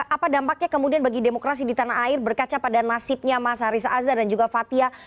apa dampaknya kemudian bagi demokrasi di tanah air berkaca pada nasibnya mas haris azhar dan juga fathia